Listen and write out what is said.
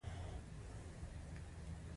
اوښ د دښتې لپاره جوړ شوی دی